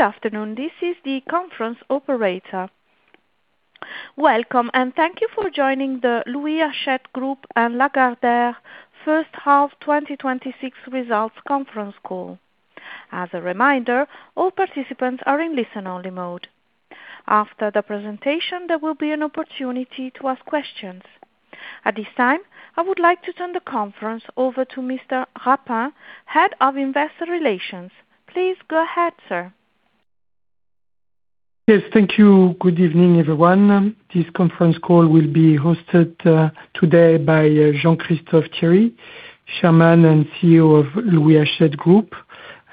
Good afternoon. This is the conference Operator. Welcome and thank you for joining the Louis Hachette Group and Lagardère First Half 2026 Results Conference Call. As a reminder, all participants are in listen-only mode. After the presentation, there will be an opportunity to ask questions. At this time, I would like to turn the conference over to Mr. Rapin, Head of Investor Relations. Please go ahead, sir. Yes, thank you. Good evening, everyone. This conference call will be hosted today by Jean-Christophe Thiery, Chairman and Chief Executive Officer of Louis Hachette Group,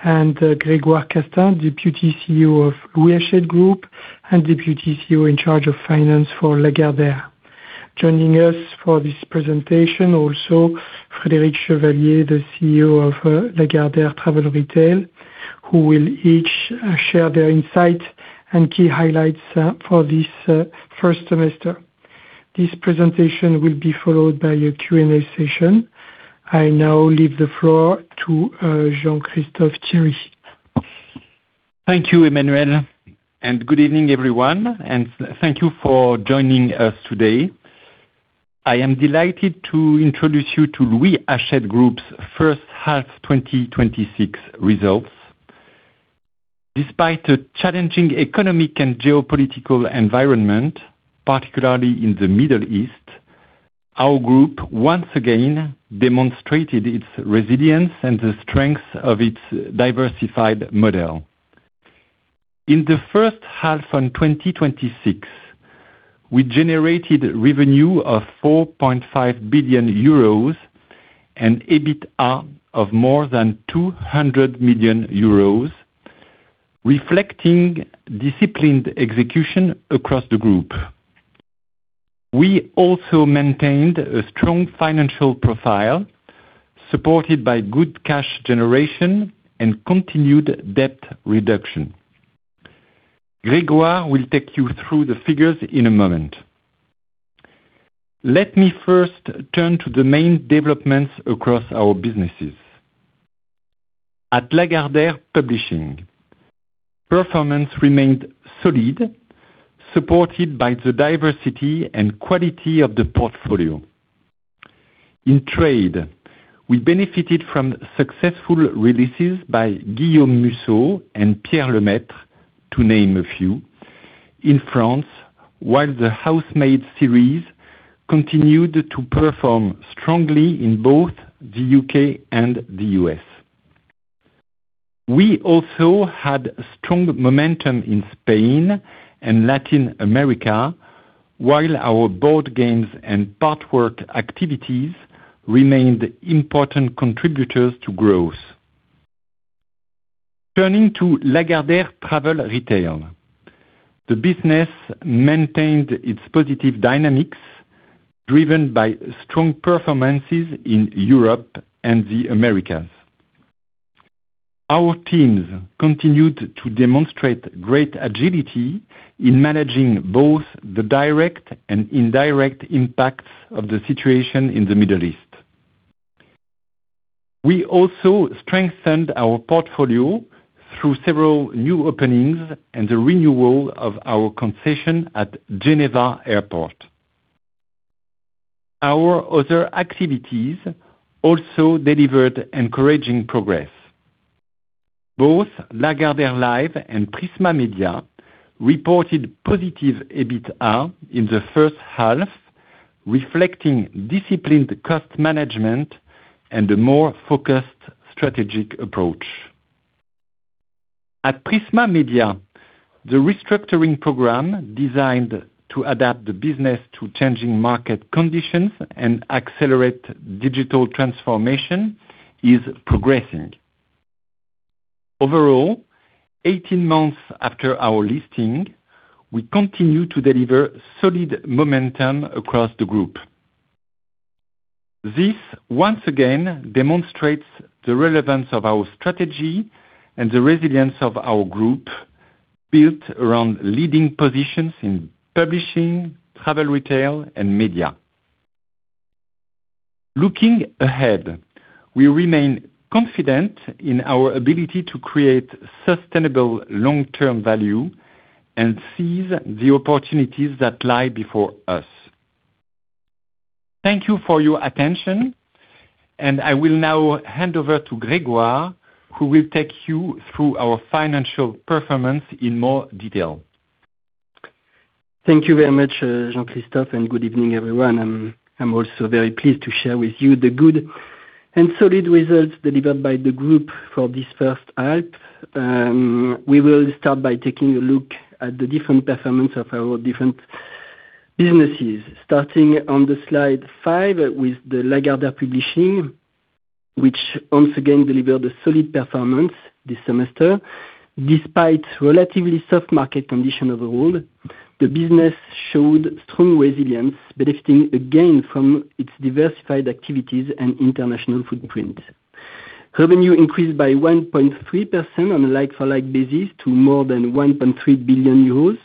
and Grégoire Castaing, Deputy Chief Executive Officer of Louis Hachette Group and Deputy Chief Executive Officer in charge of finance for Lagardère. Joining us for this presentation also, Frédéric Chevalier, the Chief Executive Officer of Lagardère Travel Retail, who will each share their insight and key highlights for this first semester. This presentation will be followed by a Q&A session. I now leave the floor to Jean-Christophe Thiery. Thank you, Emmanuel. Good evening, everyone, thank you for joining us today. I am delighted to introduce you to Louis Hachette Group's First Half 2026 Results. Despite a challenging economic and geopolitical environment, particularly in the Middle East, our group once again demonstrated its resilience and the strength of its diversified model. In the first half of 2026, we generated revenue of 4.5 billion euros and EBITA of more than 200 million euros, reflecting disciplined execution across the group. We also maintained a strong financial profile, supported by good cash generation and continued debt reduction. Grégoire will take you through the figures in a moment. Let me first turn to the main developments across our businesses. At Lagardère Publishing, performance remained solid, supported by the diversity and quality of the portfolio. In trade, we benefited from successful releases by Guillaume Musso and Pierre Lemaitre, to name a few, in France, while The Housemaid series continued to perform strongly in both the U.K. and the U.S. We also had strong momentum in Spain and Latin America, while our board games and partwork activities remained important contributors to growth. Turning to Lagardère Travel Retail, the business maintained its positive dynamics, driven by strong performances in Europe and the Americas. Our teams continued to demonstrate great agility in managing both the direct and indirect impacts of the situation in the Middle East. We also strengthened our portfolio through several new openings and the renewal of our concession at Geneva Airport. Our other activities also delivered encouraging progress. Both Lagardère Live and Prisma Media reported positive EBITA in the first half, reflecting disciplined cost management and a more focused strategic approach. At Prisma Media, the restructuring program designed to adapt the business to changing market conditions and accelerate digital transformation is progressing. Overall, 18 months after our listing, we continue to deliver solid momentum across the group. This once again demonstrates the relevance of our strategy and the resilience of our group, built around leading positions in publishing, travel retail, and media. Looking ahead, we remain confident in our ability to create sustainable long-term value and seize the opportunities that lie before us. Thank you for your attention, and I will now hand over to Grégoire, who will take you through our financial performance in more detail. Thank you very much, Jean-Christophe, and good evening, everyone. I'm also very pleased to share with you the good and solid results delivered by the group for this first half. We will start by taking a look at the different performance of our different businesses. Starting on the slide five with Lagardère Publishing, which once again delivered a solid performance this semester. Despite relatively soft market condition overall, the business showed strong resilience, benefiting again from its diversified activities and international footprint. Revenue increased by 1.3% on a like-for-like basis to more than 1.3 billion euros.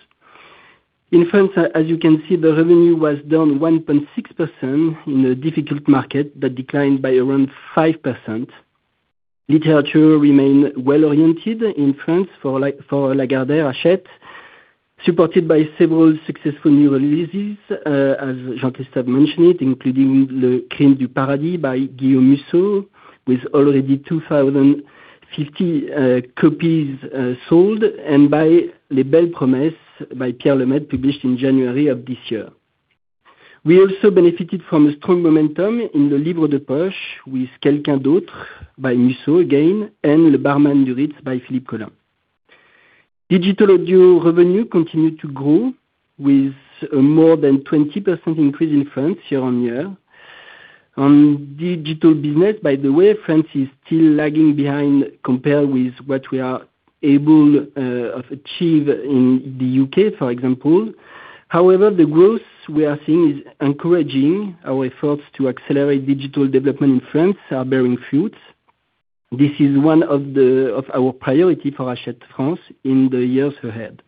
In France, as you can see, the revenue was down 1.6% in a difficult market that declined by around 5%. Literature remained well-oriented in France for Lagardère Hachette, supported by several successful new releases, as Jean-Christophe mentioned, including "Le Crime du paradis" by Guillaume Musso, with already 2,050 copies sold, and by "Les Belles Promesses" by Pierre Lemaitre, published in January of this year. We also benefited from a strong momentum in Le Livre de Poche with "Quelqu'un d'autre" by Musso again, and "Le Barman du Ritz" by Philippe Collin. Digital audio revenue continued to grow with a more than 20% increase in France year-on-year. On digital business, by the way, France is still lagging behind compared with what we are able to achieve in the U.K., for example. However, the growth we are seeing is encouraging. Our efforts to accelerate digital development in France are bearing fruit. This is one of our priorities for Hachette France in the years ahead.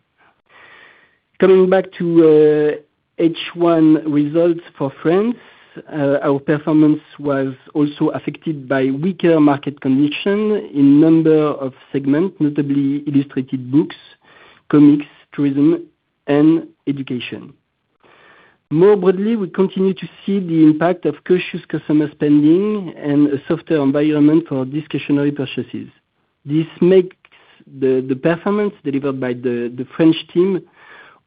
Coming back to H1 results for France, our performance was also affected by weaker market condition in a number of segments, notably illustrated books, comics, tourism, and education. More broadly, we continue to see the impact of cautious customer spending and a softer environment for discretionary purchases. This makes the performance delivered by the French team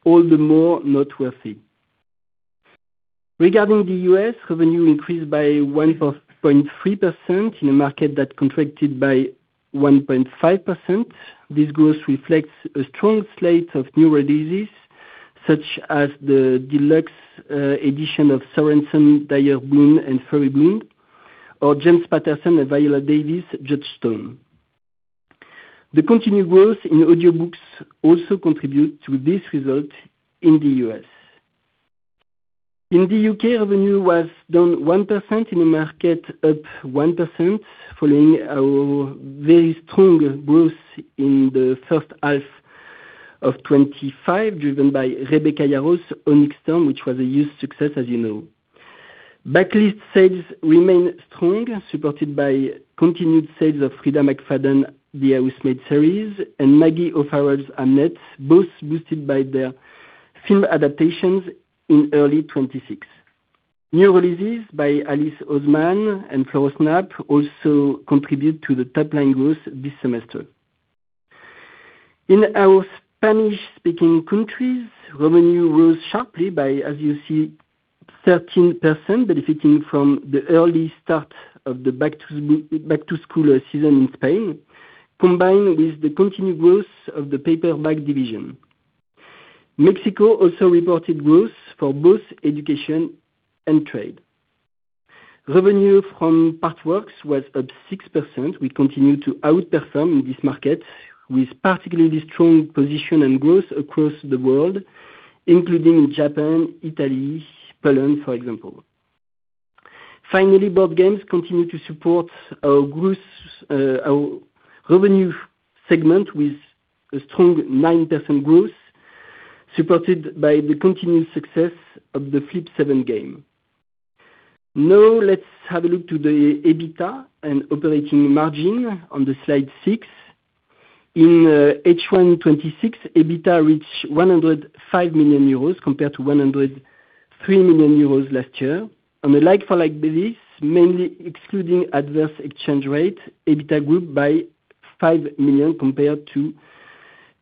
all the more noteworthy. Regarding the U.S., revenue increased by 1.3% in a market that contracted by 1.5%. This growth reflects a strong slate of new releases, such as the deluxe edition of Sorensen, "Dire Bound" and "Fury Bound", or James Patterson and Viola Davis' "Judge Stone". The continued growth in audiobooks also contributed to this result in the U.S. In the U.K., revenue was down 1% in a market up 1%, following our very strong growth in the first half of 2025, driven by Rebecca Yarros' "Onyx Storm", which was a huge success, as you know. Backlist sales remain strong, supported by continued sales of Freida McFadden "The Housemaid" series and Maggie O'Farrell's "Hamnet", both boosted by their film adaptations in early 2026. New releases by Alice Oseman and Florence Knapp also contribute to the top-line growth this semester. In our Spanish-speaking countries, revenue rose sharply by, as you see, 13%, benefiting from the early start of the back-to-school season in Spain, combined with the continued growth of the paperback division. Mexico also reported growth for both education and trade. Revenue from partworks was up 6%. We continue to outperform in this market with particularly strong position and growth across the world, including in Japan, Italy, Poland, for example. Finally, board games continue to support our revenue segment with a strong 9% growth, supported by the continued success of the Flip 7 game. Now, let's have a look to the EBITDA and operating margin on slide six. In H1 2026, EBITDA reached 105 million euros compared to 103 million euros last year. On a like for like basis, mainly excluding adverse exchange rate, EBITDA grew by 5 million compared to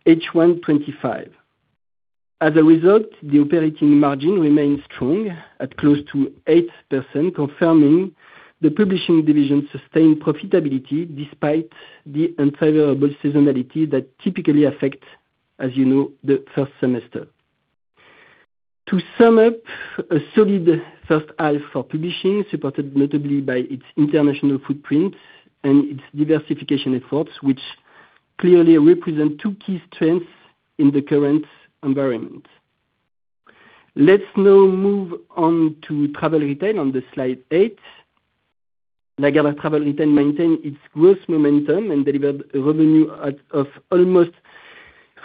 H1 2025. As a result, the operating margin remains strong at close to 8%, confirming the publishing division's sustained profitability despite the unfavorable seasonality that typically affect, you know, the first semester. To sum up, a solid first half for publishing, supported notably by its international footprint and its diversification efforts, which clearly represent two key strengths in the current environment. Let's now move on to travel retail on slide eight. Lagardère Travel Retail maintained its growth momentum and delivered revenue of almost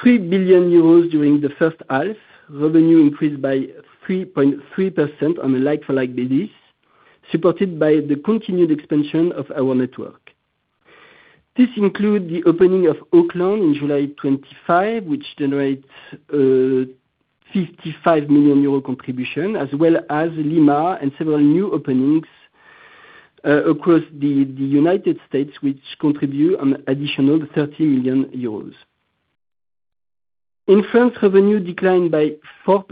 3 billion euros during the first half. Revenue increased by 3.3% on a like-for-like basis, supported by the continued expansion of our network. This include the opening of Auckland in July 2025, which generates a 55 million euro contribution, as well as Lima and several new openings across the United States, which contribute an additional 30 million euros. In France, revenue declined by 4%.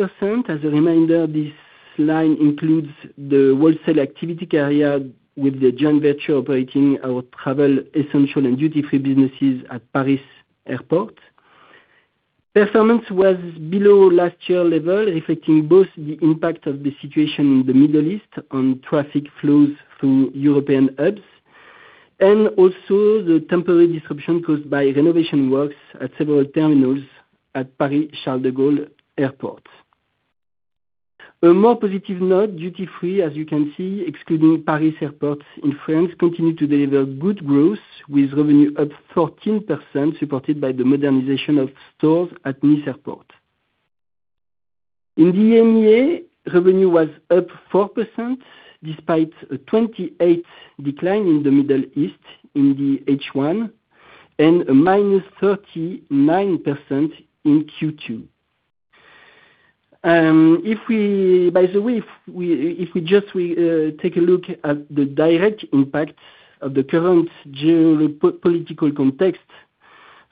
As a reminder, this line includes the wholesale activity carried out with the joint venture operating our travel, essential and duty-free businesses at Paris Airport. Performance was below last year's level, affecting both the impact of the situation in the Middle East on traffic flows through European hubs, and also the temporary disruption caused by renovation works at several terminals at Paris Charles de Gaulle Airport. A more positive note, duty free, as you can see, excluding Paris Airport in France, continued to deliver good growth with revenue up 14%, supported by the modernization of stores at Nice Airport. In the EMEA, revenue was up 4%, despite a 28% decline in the Middle East in the H1 and a -39% in Q2. By the way, if we just take a look at the direct impact of the current geopolitical context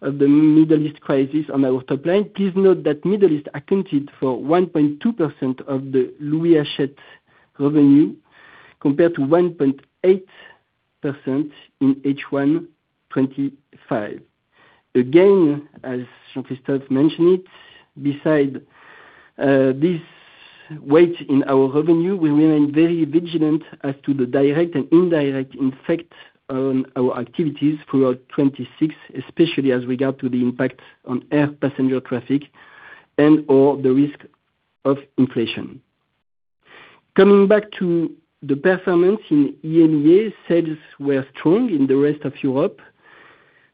of the Middle East crisis on our top line, please note that Middle East accounted for 1.2% of the Louis Hachette revenue, compared to 1.8% in H1 2025. Again, as Jean-Christophe mentioned it, beside this weight in our revenue, we remain very vigilant as to the direct and indirect effect on our activities throughout 2026, especially as regard to the impact on air passenger traffic and/or the risk of inflation. Coming back to the performance in EMEA, sales were strong in the rest of Europe.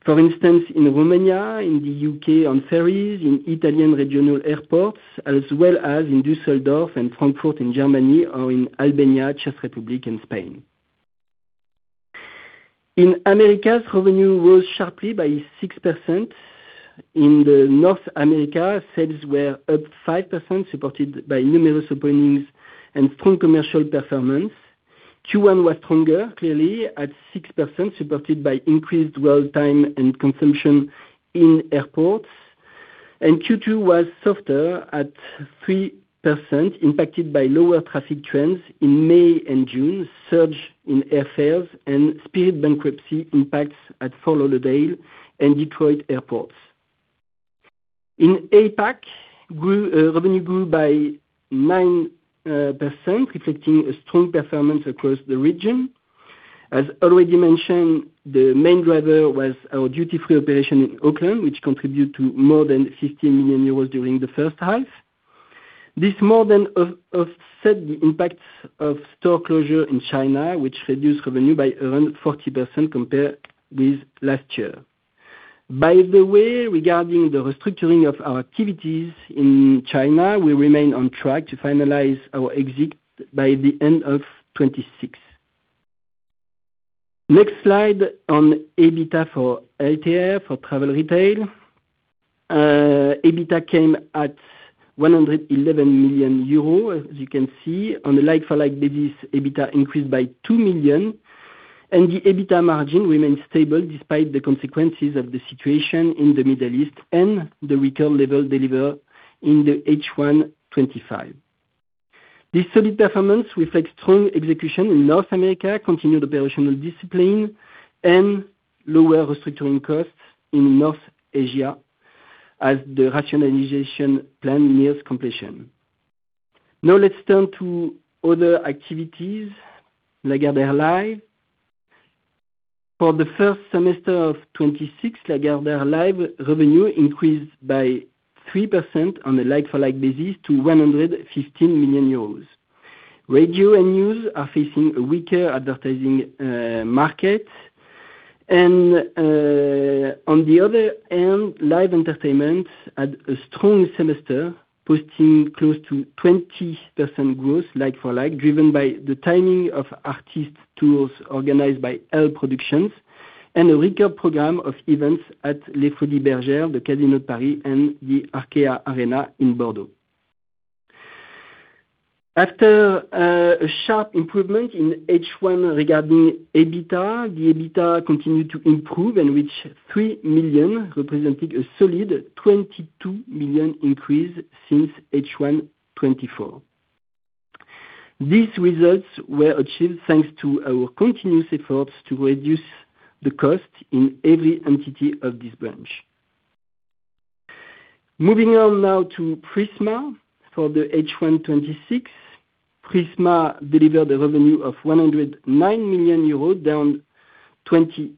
For instance, in Romania, in the U.K. on ferries, in Italian regional airports, as well as in Düsseldorf and Frankfurt in Germany, or in Albania, Czech Republic, and Spain. In Americas, revenue rose sharply by 6%. In North America, sales were up 5%, supported by numerous openings and strong commercial performance. Q1 was stronger, clearly, at 6%, supported by increased dwell time and consumption in airports. Q2 was softer at 3%, impacted by lower traffic trends in May and June, surge in air fares, and Spirit Airlines bankruptcy impacts at Fort Lauderdale and Detroit airports. In APAC, revenue grew by 9%, reflecting a strong performance across the region. As already mentioned, the main driver was our duty free operation in Auckland, which contributed to more than 50 million euros during the first half. This more than offset the impact of store closure in China, which reduced revenue by around 40% compared with last year. By the way, regarding the restructuring of our activities in China, we remain on track to finalize our exit by the end of 2026. Next slide on EBITDA for LTR for travel retail. EBITDA came at 111 million euro, as you can see. On a like-for-like basis, EBITDA increased by 2 million, and the EBITDA margin remains stable despite the consequences of the situation in the Middle East and the return level delivered in H1 2025. This solid performance reflects strong execution in North America, continued operational discipline, and lower restructuring costs in North Asia as the rationalization plan nears completion. Now let's turn to other activities, Lagardère Live. For the first semester of 2026, Lagardère Live revenue increased by 3% on a like-for-like basis to 115 million euros. Radio and news are facing a weaker advertising market. On the other hand, Live Entertainment had a strong semester, posting close to 20% growth like-for-like, driven by the timing of artist tours organized by L Productions and a richer program of events at Folies Bergère, the Casino de Paris, and the Arkéa Arena in Bordeaux. After a sharp improvement in H1 regarding EBITDA, the EBITDA continued to improve and reach 3 million, representing a solid 22 million increase since H1 2024. These results were achieved thanks to our continuous efforts to reduce the cost in every entity of this branch. Moving on now to Prisma. For the H1 2026, Prisma delivered a revenue of 109 million euros, down 25%,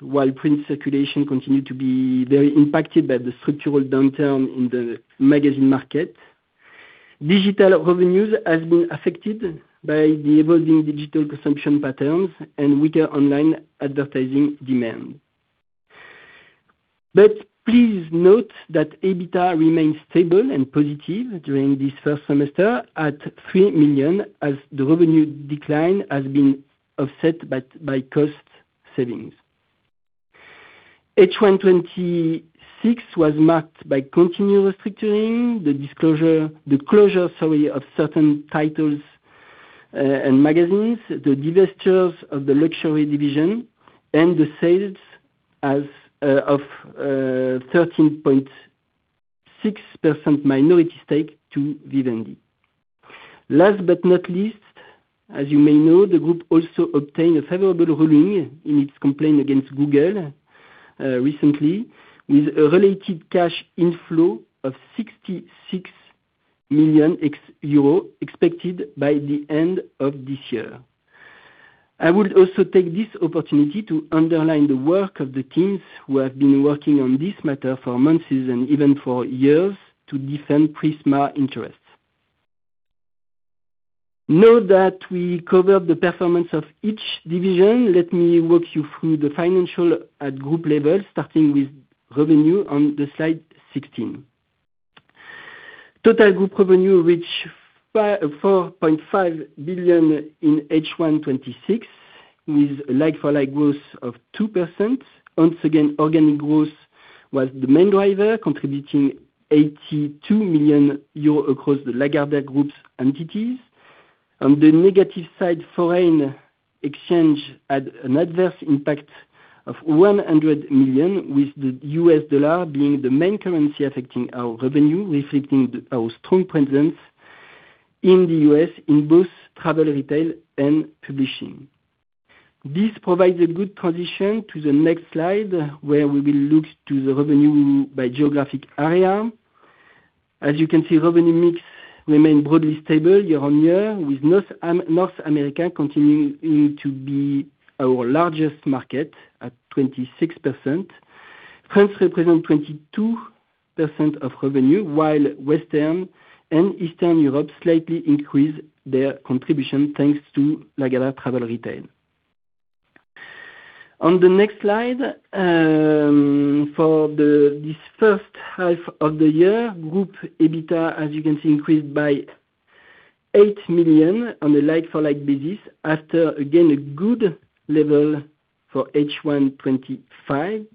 while print circulation continued to be very impacted by the structural downturn in the magazine market. Digital revenues has been affected by the evolving digital consumption patterns and weaker online advertising demand. But please note that EBITDA remains stable and positive during this first semester at 3 million, as the revenue decline has been offset by cost savings. H1 2026 was marked by continued restructuring, the closure of certain titles and magazines, the divestitures of the luxury division, and the sales of 13.6% minority stake to Vivendi. Last but not least, as you may know, the group also obtained a favorable ruling in its complaint against Google recently, with a related cash inflow of 66 million euro expected by the end of this year. I would also take this opportunity to underline the work of the teams who have been working on this matter for months and even for years to defend Prisma interests. Note that we covered the performance of each division. Let me walk you through the financial at group level, starting with revenue on the slide 16. Total group revenue reached 4.5 billion in H1 2026, with like-for-like growth of 2%. Once again, organic growth was the main driver, contributing 82 million euros across the Lagardère Group's entities. On the negative side, foreign exchange had an adverse impact of 100 million, with the US dollar being the main currency affecting our revenue, reflecting our strong presence in the U.S. in both Travel Retail and Publishing. This provides a good transition to the next slide, where we will look to the revenue by geographic area. As you can see, revenue mix remained broadly stable year-on-year, with North America continuing to be our largest market at 26%. France represents 22% of revenue, while Western and Eastern Europe slightly increase their contribution, thanks to Lagardère Travel Retail. On the next slide, for this first half of the year, group EBITDA, as you can see, increased by 8 million on a like-for-like basis after, again, a good level for H1 2025.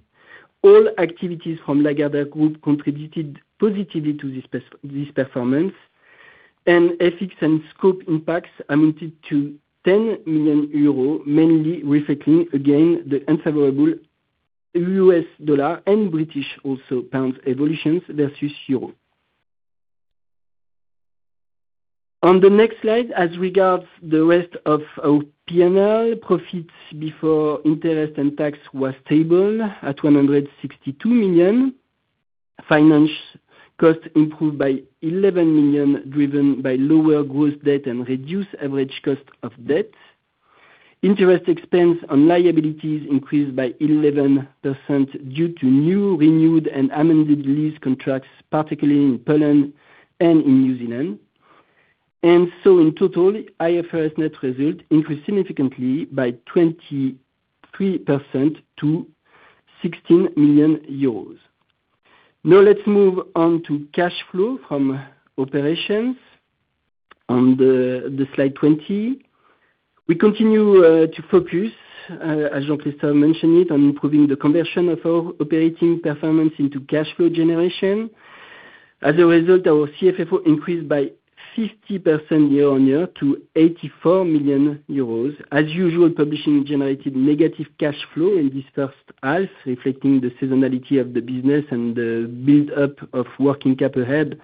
All activities from Lagardère Group contributed positively to this performance. FX and scope impacts amounted to 10 million euros, mainly reflecting again the unfavorable US dollar and British also pound evolutions versus euro. On the next slide, as regards the rest of our P&L, profits before interest and tax was stable at EUR 162 million. Finance cost improved by 11 million, driven by lower gross debt and reduced average cost of debt. Interest expense on liabilities increased by 11% due to new renewed and amended lease contracts, particularly in Poland and in New Zealand. In total, IFRS net result increased significantly by 23% to 16 million euros. Now let's move on to cash flow from operations on the slide 20. We continue to focus, as Jean-Christophe mentioned it, on improving the conversion of our operating performance into cash flow generation. As a result, our CFFO increased by 50% year-on-year to 84 million euros. As usual, Publishing generated negative cash flow in this first half, reflecting the seasonality of the business and the build-up of working capital ahead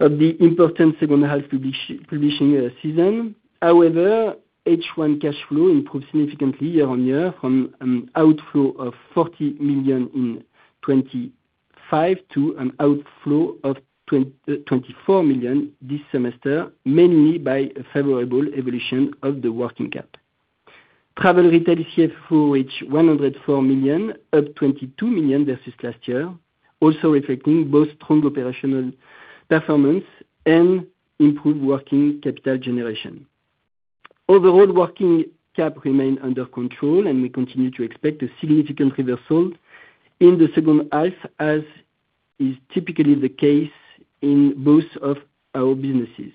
of the important second half publishing season. However, H1 cash flow improved significantly year-on-year from an outflow of 40 million in 2025 to an outflow of 24 million this semester, mainly by a favorable evolution of the working capital. Travel Retail CFFO reached 104 million, up 22 million versus last year, also reflecting both strong operational performance and improved working capital generation. Overall, working cap remained under control, and we continue to expect a significant reversal in the second half, as is typically the case in both of our businesses.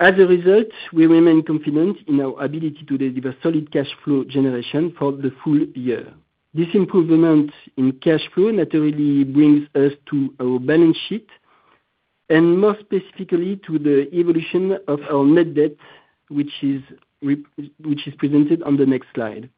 As a result, we remain confident in our ability to deliver solid cash flow generation for the full year. This improvement in cash flow naturally brings us to our balance sheet, and more specifically to the evolution of our net debt, which is presented on the next slide.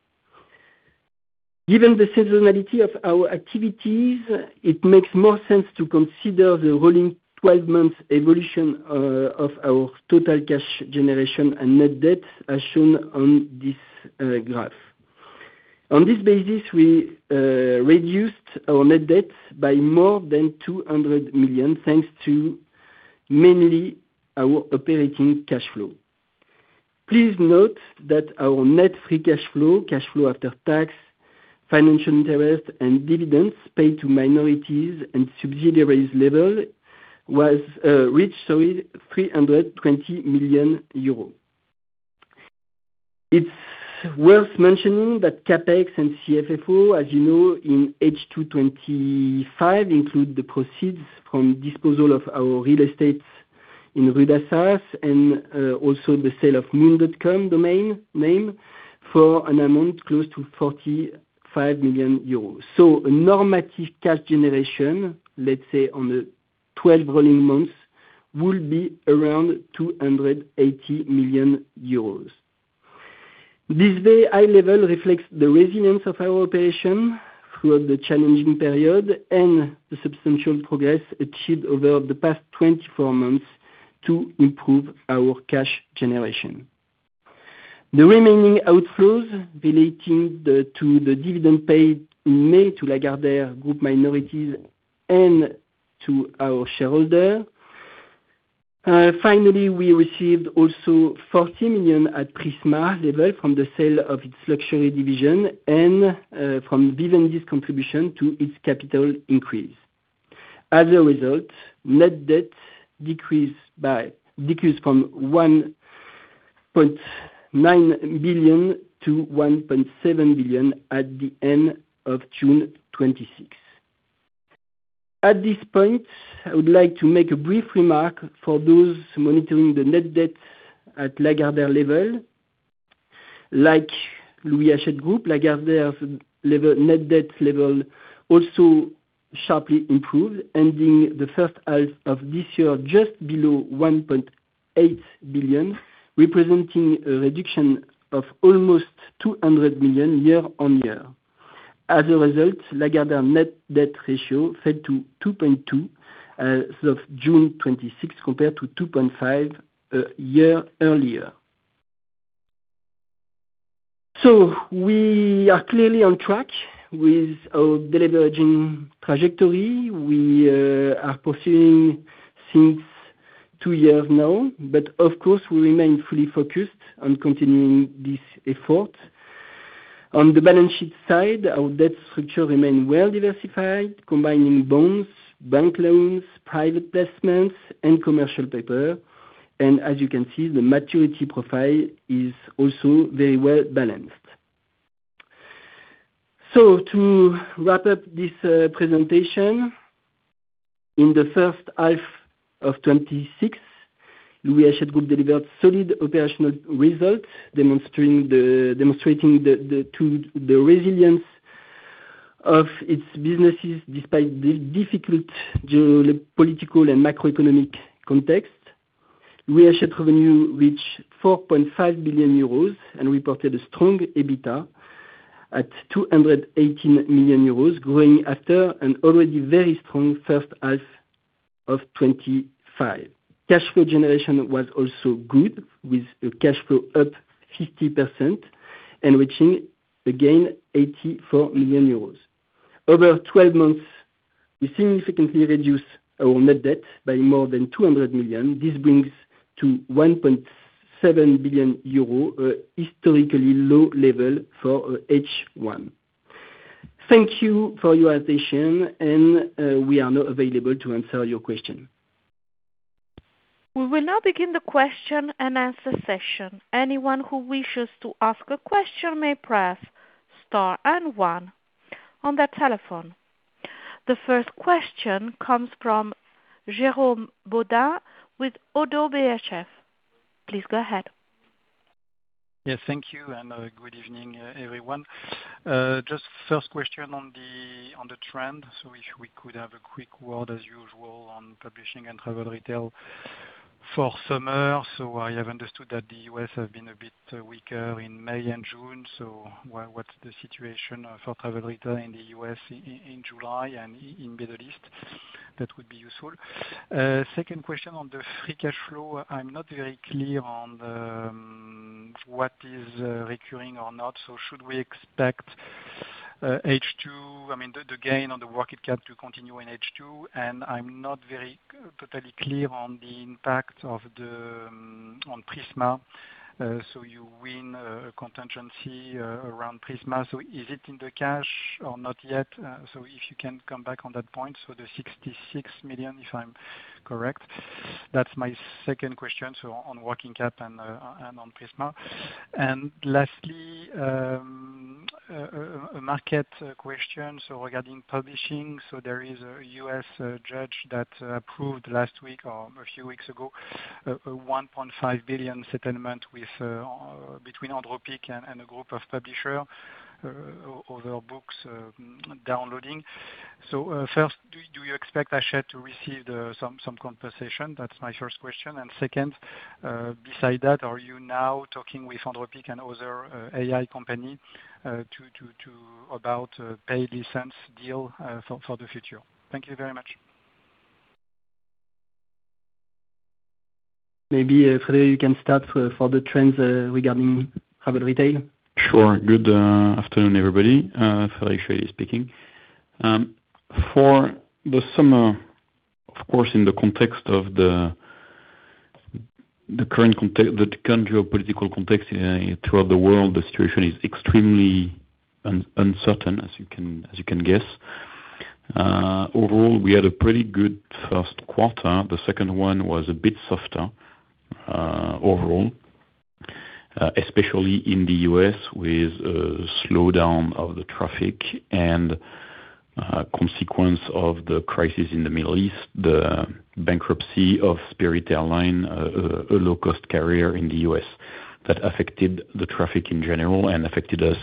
Given the seasonality of our activities, it makes more sense to consider the rolling 12 months evolution of our total cash generation and net debt, as shown on this graph. On this basis, we reduced our net debt by more than 200 million, thanks to mainly our operating cash flow. Please note that our net free cash flow, cash flow after tax, financial interest, and dividends paid to minorities and subsidiaries level reached EUR 320 million. It's worth mentioning that CapEx and CFFO, as you know, in H2 2025 include the proceeds from disposal of our real estates in Rue d'Assas and also the sale of moon.com domain name for an amount close to 45 million euros. A normative cash generation, let's say on the 12 rolling months, would be around 280 million euros. This very high level reflects the resilience of our operation throughout the challenging period and the substantial progress achieved over the past 24 months to improve our cash generation. The remaining outflows relating to the dividend paid in May to Lagardère group minorities and to our shareholder. Finally, we received also 40 million at Prisma level from the sale of its luxury division and from Vivendi's contribution to its capital increase. As a result, net debt decreased from 1.9 billion to 1.7 billion at the end of June 2026. At this point, I would like to make a brief remark for those monitoring the net debt at Lagardère level. Like Louis Hachette Group, Lagardère net debt level also sharply improved, ending the first half of this year just below 1.8 billion, representing a reduction of almost 200 million year-on-year. As a result, Lagardère net debt ratio fell to 2.2 as of June 2026, compared to 2.5 a year earlier. We are clearly on track with our deleveraging trajectory. We are proceeding since two years now, but of course, we remain fully focused on continuing this effort. On the balance sheet side, our debt structure remain well-diversified, combining bonds, bank loans, private placements, and commercial paper. As you can see, the maturity profile is also very well-balanced. To wrap up this presentation, in the first half of 2026, Louis Hachette Group delivered solid operational results, demonstrating the resilience of its businesses despite the difficult geopolitical and macroeconomic context. Louis Hachette revenue reached 4.5 billion euros and reported a strong EBITDA at 218 million euros, growing after an already very strong first half of 2025. Cash flow generation was also good, with cash flow up 50% and reaching, again, 84 million euros. Over 12 months, we significantly reduced our net debt by more than 200 million. This brings to 1.7 billion euro, a historically low level for H1. Thank you for your attention. We are now available to answer your question. We will now begin the question and answer session. Anyone who wishes to ask a question may press star and 1 on their telephone. The first question comes from Jérôme Bodin with Oddo BHF. Please go ahead. Yes, thank you and good evening, everyone. First question on the trend. If we could have a quick word as usual on publishing and travel retail for summer. I have understood that the U.S. has been a bit weaker in May and June. What's the situation for travel retail in the U.S. in July and in Middle East? That would be useful. Second question on the free cash flow. I'm not very clear on what is recurring or not. Should we expect the gain on the working capital to continue in H2? I'm not totally clear on the impact on Prisma. You win a contingency around Prisma. Is it in the cash or not yet? If you can come back on that point. The 66 million, if I'm correct. That's my second question. On working cap and on Prisma. Lastly, a market question. Regarding publishing, there is a U.S. judge that approved last week or a few weeks ago, a 1.5 billion settlement between Anthropic and a group of publisher over books downloading. First, do you expect Hachette to receive some compensation? That's my first question. Second, beside that, are you now talking with Anthropic and other AI company about paid license deal for the future? Thank you very much. Maybe, Frédéric, you can start for the trends regarding travel retail. Sure. Good afternoon, everybody. Frédéric Chevalier speaking. For the summer, of course, in the current geopolitical context throughout the world, the situation is extremely uncertain, as you can guess. Overall, we had a pretty good first quarter. The second one was a bit softer overall, especially in the U.S. with a slowdown of the traffic and consequence of the crisis in the Middle East, the bankruptcy of Spirit Airlines, a low-cost carrier in the U.S. that affected the traffic in general and affected us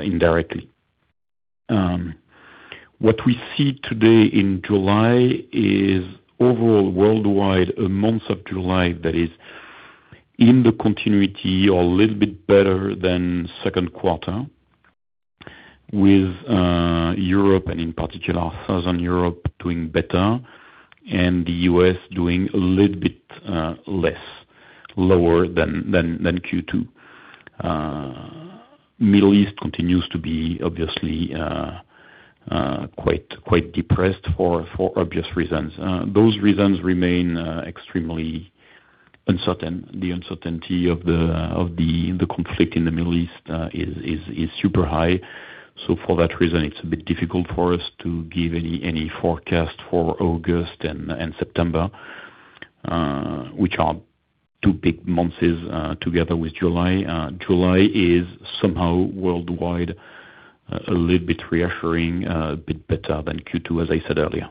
indirectly. What we see today in July is overall worldwide a month of July that is in the continuity or a little bit better than second quarter with Europe and in particular southern Europe doing better and the U.S. doing a little bit less. Lower than Q2. Middle East continues to be obviously quite depressed for obvious reasons. Those reasons remain extremely uncertain. The uncertainty of the conflict in the Middle East is super high. For that reason, it's a bit difficult for us to give any forecast for August and September, which are two big months together with July. July is somehow worldwide, a little bit reassuring, a bit better than Q2, as I said earlier.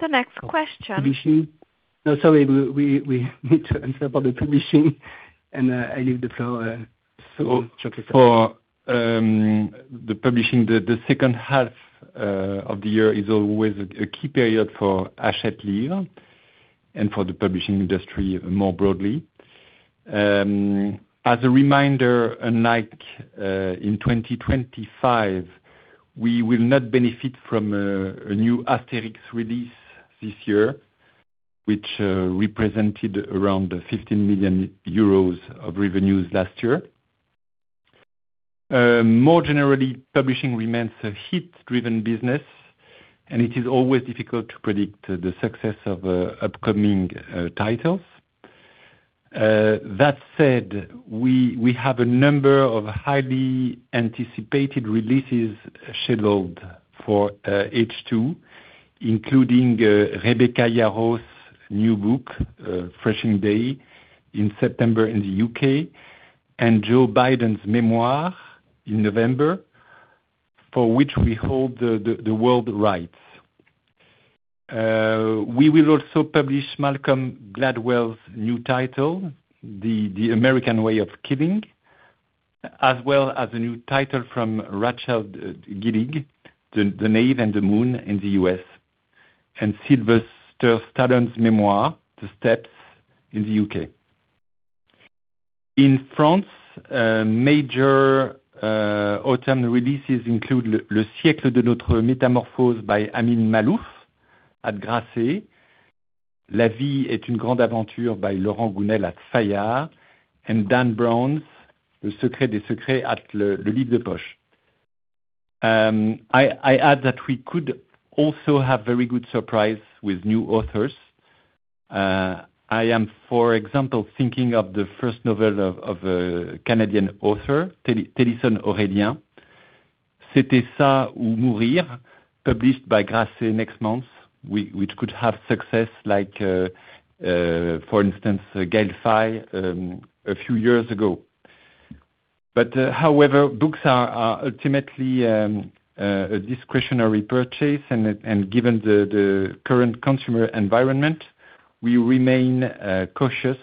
The next question. No, sorry. We need to answer about the publishing, I leave the floor. So for the publishing, the second half of the year is always a key period for Hachette Livre and for the publishing industry more broadly. As a reminder, unlike in 2025, we will not benefit from a new Asterix release this year, which represented around 15 million euros of revenues last year. More generally, publishing remains a hit-driven business, and it is always difficult to predict the success of upcoming titles. That said, we have a number of highly anticipated releases scheduled for H2, including Rebecca Yarros' new book, "Threshing Day" in September in the U.K., and Joe Biden's memoir in November, for which we hold the world rights. We will also publish Malcolm Gladwell's new title, "The American Way of Killing," as well as a new title from Rachel Cusk, "The Knave and the Moon" in the U.S., and Sylvester Stallone's memoir, "The Steps" in the U.K. In France, major autumn releases include "Le Siècle de Notre Métamorphose" by Amin Maalouf at Grasset, "La Vie est une grande aventure" by Laurent Gounelle at Fayard, and Dan Brown's "Le Secret des Secrets" at Le Livre de Poche. I add that we could also have very good surprise with new authors. I am, for example, thinking of the first novel of a Canadi an author, Thélyson Orélien, "C'était ça ou mourir", published by Grasset next month, which could have success like, for instance, Gaël Faye a few years ago. However, books are ultimately a discretionary purchase, and given the current consumer environment, we remain cautious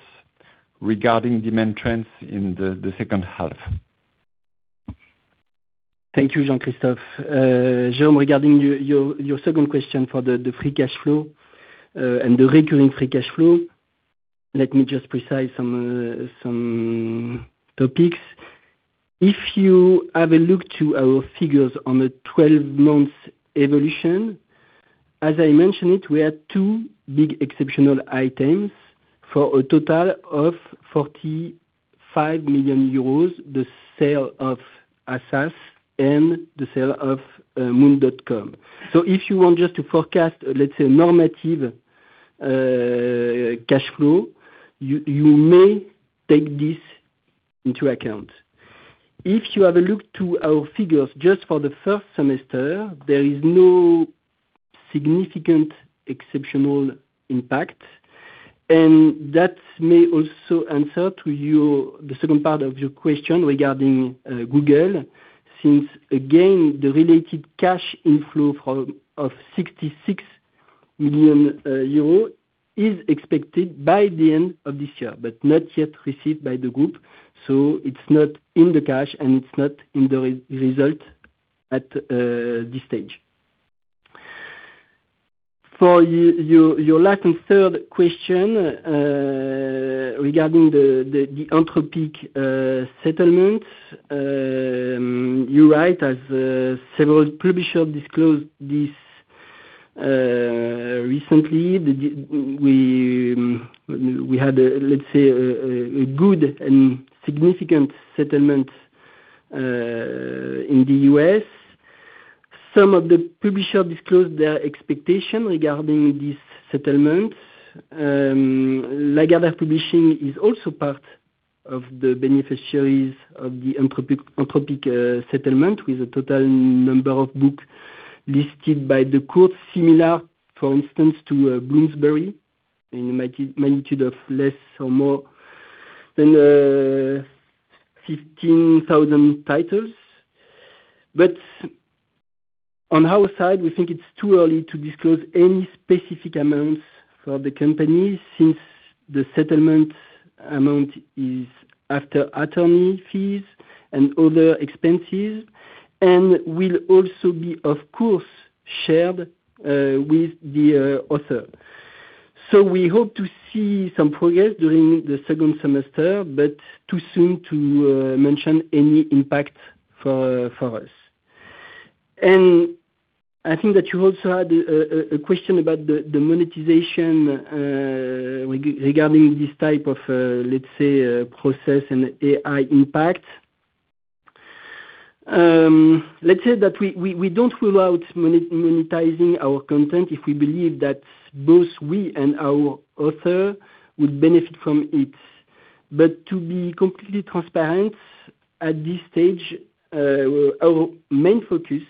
regarding demand trends in the second half. Thank you, Jean-Christophe. Jérôme, regarding your second question for the free cash flow and the recurring free cash flow, let me just precise some topics. If you have a look to our figures on the 12 months evolution, as I mentioned it, we had two big exceptional items for a total of 45 million euros, the sale of Assas and the sale of moon.com. If you want just to forecast, let's say, normative cash flow, you may take this into account. If you have a look to our figures just for the first semester, there is no significant exceptional impact. And that may also answer to you the second part of your question regarding Google, since again, the related cash inflow of 66 million euros is expected by the end of this year, but not yet received by the group. It's not in the cash, and it's not in the result at this stage. For your last and third question regarding the Anthropic settlements, you're right, as several publishers disclosed this recently. We had a good and significant settlement in the U.S. Some of the publishers disclosed their expectation regarding these settlements. Lagardère Publishing is also part of the beneficiaries of the Anthropic settlement, with a total number of books listed by the court similar, for instance, to Bloomsbury in the magnitude of less or more than 15,000 titles. But on our side, we think it's too early to disclose any specific amounts for the company since the settlement amount is after attorney fees and other expenses and will also be, of course, shared with the author. So we hope to see some progress during the second semester, but too soon to mention any impact for us. I think that you also had a question about the monetization regarding this type of, let's say, process and AI impact. Let's say that we don't rule out monetizing our content if we believe that both we and our author would benefit from it. To be completely transparent, at this stage, our main focus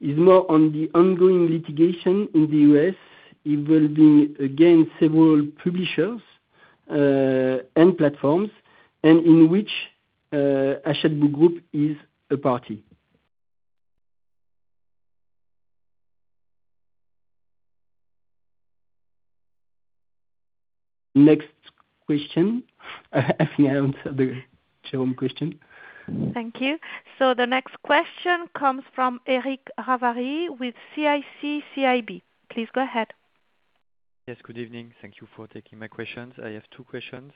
is more on the ongoing litigation in the U.S. involving, again, several publishers and platforms, and in which Hachette Book Group is a party. Next question. I think I answered the Jérôme question. Thank you. The next question comes from Eric Ravary with CIC CIB. Please go ahead. Yes, good evening. Thank you for taking my questions. I have two questions.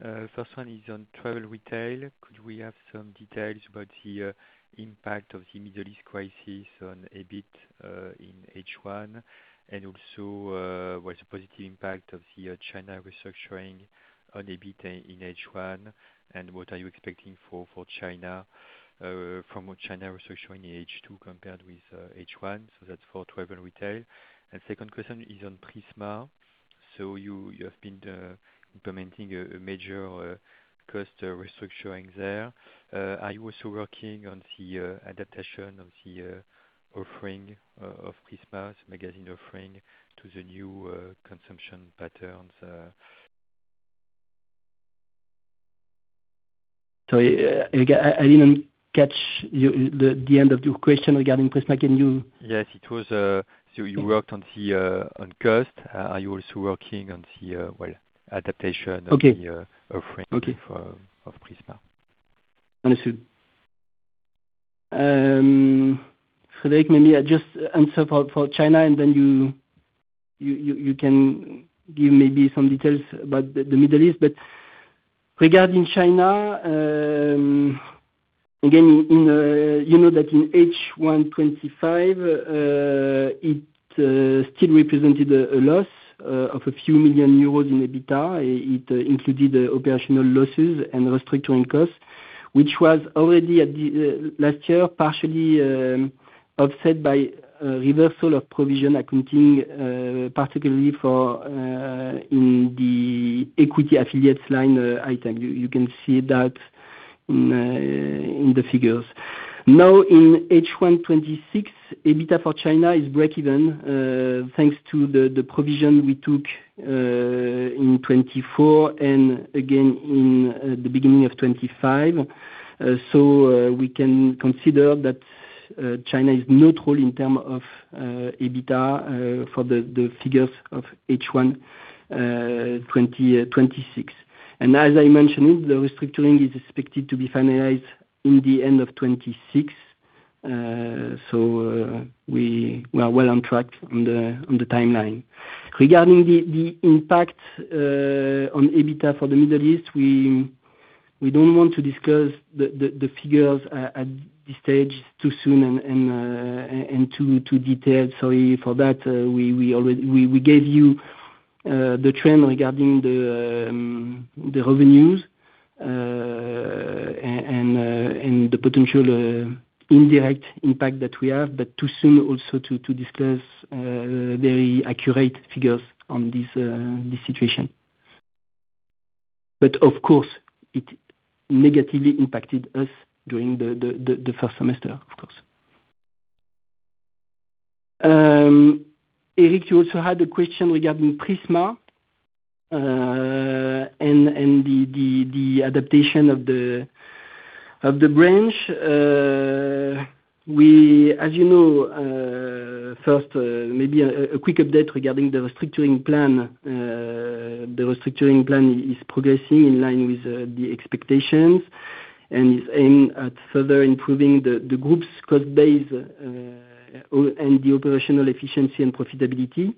First one is on travel retail. Could we have some details about the impact of the Middle East crisis on EBIT in H1? Also, what's the positive impact of the China restructuring on EBIT in H1, and what are you expecting from China restructuring in H2 compared with H1? That's for travel retail. Second question is on Prisma. You have been implementing a major cost restructuring there. Are you also working on the adaptation of the offering of Prisma magazine offering to the new consumption patterns? Sorry, Eric, I didn't catch the end of your question regarding Prisma. Can you? Yes, it was, you worked on cost. Are you also working on the adaptation of the offering of Prisma? Okay. Understood. Frédéric, then you can give maybe some details about the Middle East. Regarding China, again, you know that in H1 2025, it still represented a loss of a few million EUR in EBITDA. It included operational losses and restructuring costs, which was already, last year, partially offset by reversal of provision accounting, particularly in the equity affiliates line item. You can see that in the figures. Now, in H1 2026, EBITDA for China is breakeven, thanks to the provision we took in 2024 and again in the beginning of 2025. We can consider that China is neutral in term of EBITDA for the figures of H1 2026. As I mentioned, the restructuring is expected to be finalized in the end of 2026. We are well on track on the timeline. Regarding the impact on EBITDA for the Middle East, we don't want to discuss the figures at this stage too soon and too detailed. Sorry for that. We gave you the trend regarding the revenues, and the potential indirect impact that we have, too soon also to discuss very accurate figures on this situation. Of course, it negatively impacted us during the first semester, of course. Eric, you also had a question regarding Prisma, and the adaptation of the branch. As you know, first, maybe a quick update regarding the restructuring plan. The restructuring plan is progressing in line with the expectations and is aimed at further improving the group's cost base, and the operational efficiency and profitability.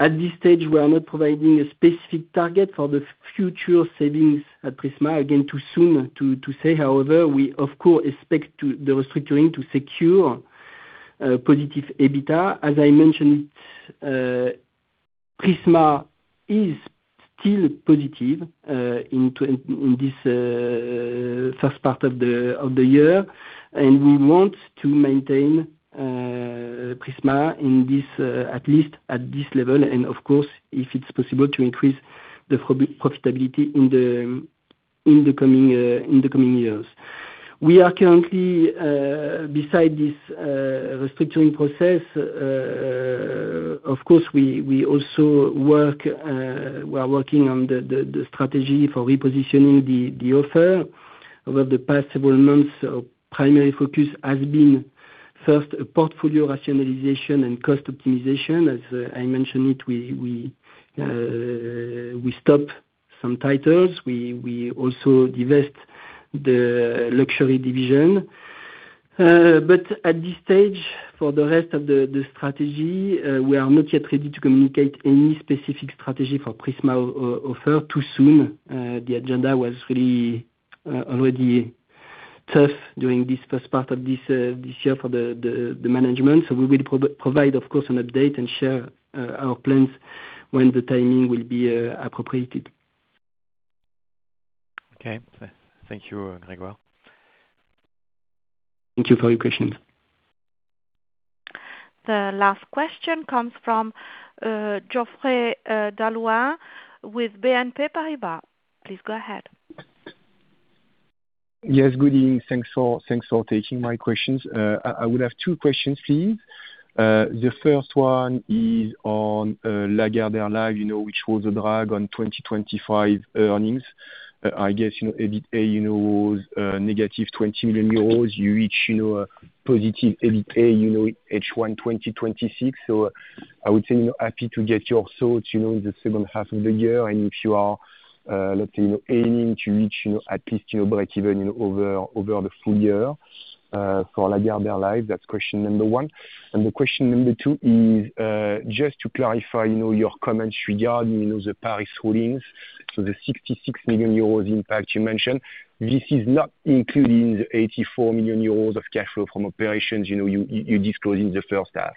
At this stage, we are not providing a specific target for the future savings at Prisma. Again, too soon to say. However, we of course expect the restructuring to secure positive EBITDA. As I mentioned, Prisma is still positive in this first part of the year. We want to maintain Prisma at least at this level. Of course, if it's possible, to increase the profitability in the coming years. We are currently, beside this restructuring process, of course, we are working on the strategy for repositioning the offer. Over the past several months, our primary focus has been, first, a portfolio rationalization and cost optimization. As I mentioned it, we stop some titles. We also divest the luxury division. At this stage, for the rest of the strategy, we are not yet ready to communicate any specific strategy for Prisma offer too soon. The agenda was really already tough during this first part of this year for the management. We will provide, of course, an update and share our plans when the timing will be appropriate. Okay. Thank you, Grégoire. Thank you for your question. The last question comes from Geoffrey d'Halluin with BNP Paribas. Please go ahead. Yes, good evening. Thanks for taking my questions. I would have two questions for you. The first one is on Lagardère Live, which was a drag on 2025 earnings. I guess, EBITA was negative 20 million euros. You reach positive EBITA H1 2026. I would say, happy to get your thoughts in the second half of the year, and if you are, let's say, aiming to reach, at least, break even over the full year for Lagardère Live. That's question number one. The question number two is, just to clarify, your comments regarding the Paris holdings. The 66 million euros impact you mentioned, this is not including the 84 million euros of cash flow from operations you disclosed in the first half.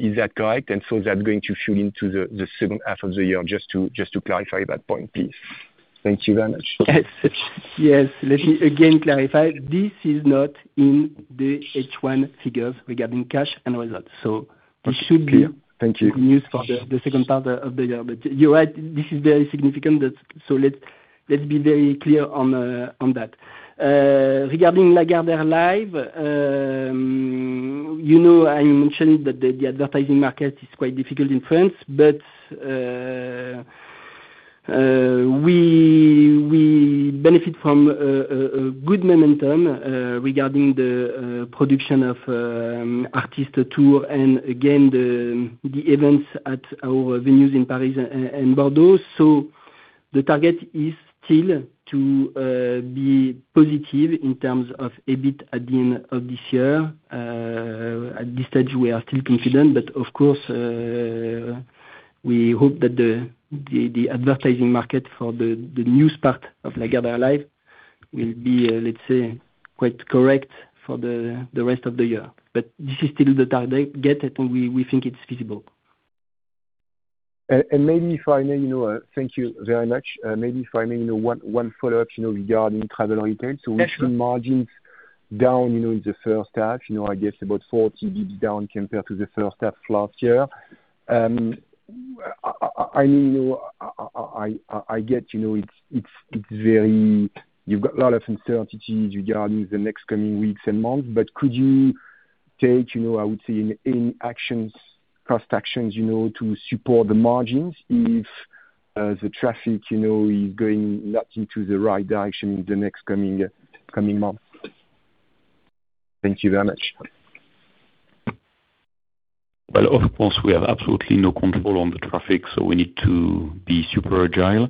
Is that correct? That's going to feed into the second half of the year. Just to clarify that point, please. Thank you very much. Yes. Let me again clarify, this is not in the H1 figures regarding cash and results. Okay. Thank you You're right, this is very significant. Let's be very clear on that. Regarding Lagardère Live, I mentioned that the advertising market is quite difficult in France, we benefit from good momentum regarding the production of artist tour and again, the events at our venues in Paris and Bordeaux. The target is still to be positive in terms of EBIT at the end of this year. At this stage, we are still confident, of course, we hope that the advertising market for the news part of Lagardère Live will be, let's say, quite correct for the rest of the year. This is still the target, and we think it's feasible. Thank you very much. Maybe if I may, one follow-up, regarding travel retail. Yes, sure. We've seen margins down in the first half, I guess about 40 basis points down compared to the first half last year. I get it's You've got a lot of uncertainties regarding the next coming weeks and months, but could you take, I would say, any actions, cost actions, to support the margins if the traffic is going not into the right direction in the next coming month? Thank you very much. Well, of course, we have absolutely no control on the traffic, so we need to be super agile.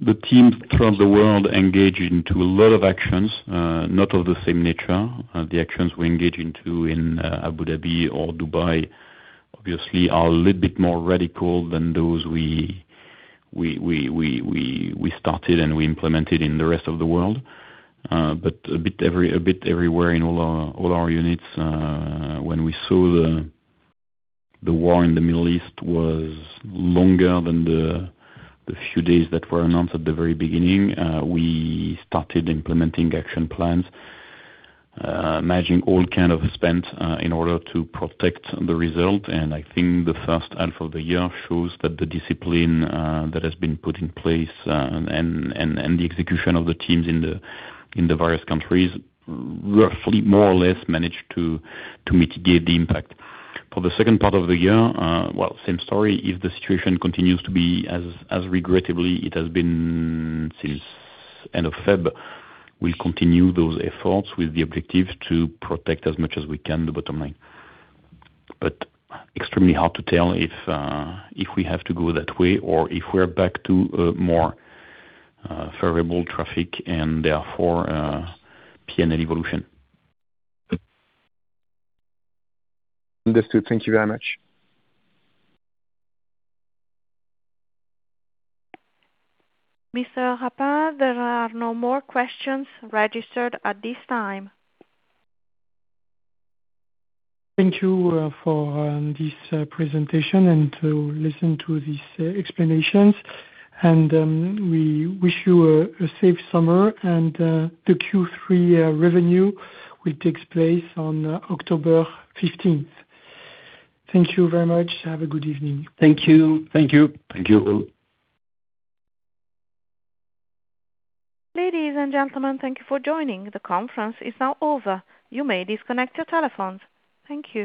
The teams throughout the world engage into a lot of actions, not of the same nature. The actions we engage into in Abu Dhabi or Dubai obviously are a little bit more radical than those we started and we implemented in the rest of the world. A bit everywhere in all our units. When we saw the war in the Middle East was longer than the few days that were announced at the very beginning, we started implementing action plans, managing all kind of spend, in order to protect the result. I think the first half of the year shows that the discipline that has been put in place, and the execution of the teams in the various countries roughly, more or less, managed to mitigate the impact. For the second part of the year, well, same story. If the situation continues to be as regrettably it has been since end of Feb, we'll continue those efforts with the objective to protect as much as we can the bottom line. Extremely hard to tell if we have to go that way or if we're back to more variable traffic and therefore P&L evolution. Understood. Thank you very much. Mr. Rapin, there are no more questions registered at this time. Thank you for this presentation and to listen to these explanations. We wish you a safe summer and the Q3 revenue will take place on October 15th. Thank you very much. Have a good evening. Thank you. Thank you. Ladies and gentlemen, thank you for joining. The conference is now over. You may disconnect your telephones. Thank you.